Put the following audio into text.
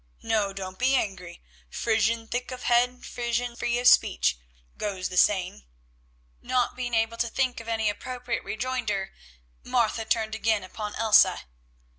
No, don't be angry. 'Frisian thick of head, Frisian free of speech,' goes the saying." Not being able to think of any appropriate rejoinder, Martha turned again upon Elsa.